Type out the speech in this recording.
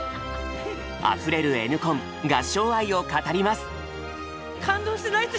あふれるＮコン合唱愛を語ります！